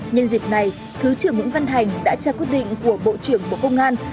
nhân dịp này thứ trưởng nguyễn văn thành đã tra quyết định của bộ trưởng bộ công an